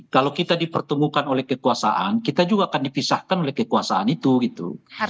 kalau kita dipertemukan oleh kekuasaan kita juga akan dipisahkan oleh kekuasaan itu gitu